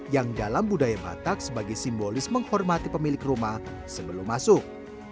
yang dalam budaya batak sebagai simbolis menghormati pemilik rumah sebelum masuk